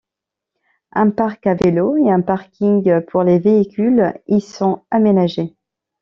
Un parc à vélos et un parking pour les véhicules y sont aménagés.